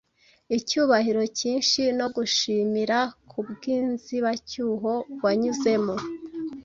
Icyubahiro cyinshi no gushimira, Kubwinzibacyuho wanyuzemo.